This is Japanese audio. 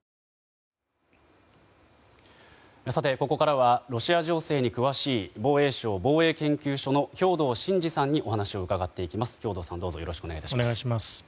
ここからはロシア情勢に詳しい防衛省防衛研究所の兵頭慎治さんにお話を伺っていきます。